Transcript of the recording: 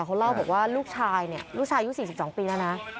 เขาเล่าบอกว่าลูกชายเนี่ยลูกชายยุคสี่สิบสี่สองปีแล้วนะ